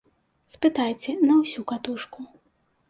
Спытайце на ўсю катушку.